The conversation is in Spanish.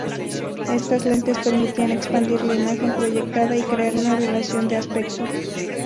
Estas lentes permitían expandir la imagen proyectada y crear una relación de aspecto.